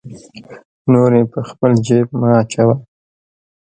نورې په خپل جیب مه اچوه.